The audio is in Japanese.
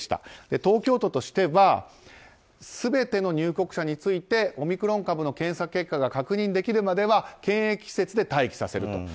東京都としては全ての入国者についてオミクロン株の検査結果が確認できるまでは検疫施設で待機させると。